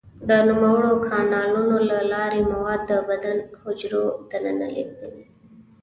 د نوموړو کانالونو له لارې مواد د بدن د حجرو دننه لیږدوي.